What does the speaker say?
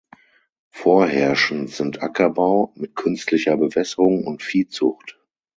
Vorherrschend sind Ackerbau (mit künstlicher Bewässerung) und Viehzucht.